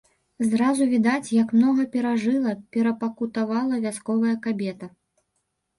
Зразу відаць, як многа перажыла, перапакутавала вясковая кабета.